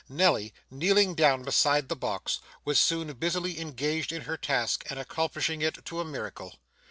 Nelly, kneeling down beside the box, was soon busily engaged in her task, and accomplishing it to a miracle.